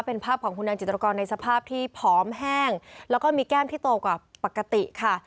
เป็นภาพของคุณนางจิตรกรในสภาพที่ผอมแห้งแล้วก็มีแก้มที่โตกว่าปกติค่ะ